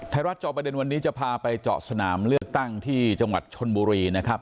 รัฐจอบประเด็นวันนี้จะพาไปเจาะสนามเลือกตั้งที่จังหวัดชนบุรีนะครับ